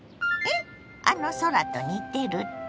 あの空と似てるって？